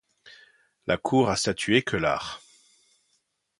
La Cour a statué que l'art.